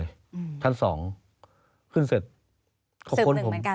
อืมชั้นสองขึ้นเสร็จหกคนหนึ่งเหมือนกัน